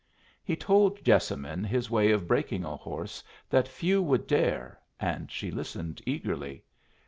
He told Jessamine his way of breaking a horse that few would dare, and she listened eagerly.